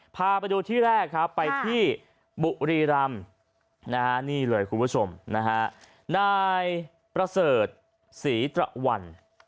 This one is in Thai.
พาไปดูที่แรกครับไปที่บุรีรำนี่เลยคุณผู้ชมนะฮะนายประเสริฐศรีตระวัน